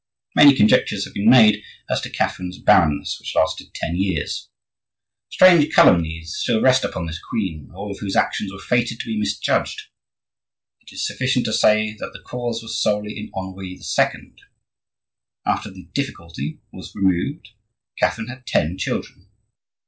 Many conjectures have been made as to Catherine's barrenness, which lasted ten years. Strange calumnies still rest upon this queen, all of whose actions were fated to be misjudged. It is sufficient to say that the cause was solely in Henri II. After the difficulty was removed, Catherine had ten children.